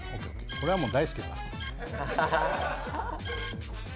これはもう大好きだから。